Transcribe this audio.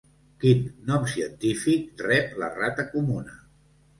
Quin nom científic rep la rata comuna?